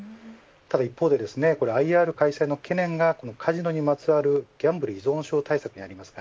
ただ一方でＩＲ開催の懸念があるカジノにまつわるギャンブル依存症対策にあります。